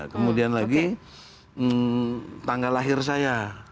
kemudian lagi tanggal lahir saya